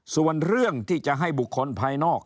ส่วนเรื่องที่จะให้บุคคลภายนอก